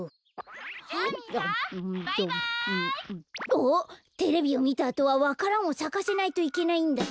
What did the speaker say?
あっテレビをみたあとはわか蘭をさかせないといけないんだった。